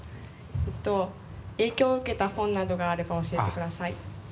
えっと影響を受けた本などがあれば教えてください。